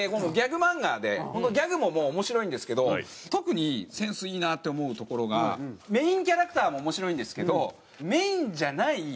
ギャグ漫画で本当ギャグももう面白いんですけど特にセンスいいなって思うところがメインキャラクターも面白いんですけどメインじゃない